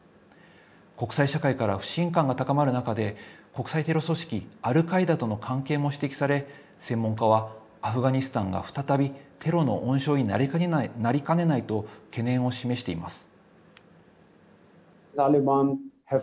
国際社会から不信感が高まる中で、国際テロ組織アルカイダとの関係も指摘され、専門家は、アフガニスタンが再びテロの温床になりかねないと懸念を示しています。